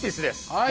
はい！